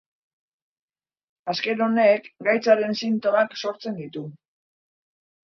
Azken honek gaitzaren sintomak sortzen ditu.